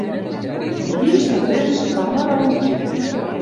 Мӹнь тиш дӓ тӹш — Варвара уке!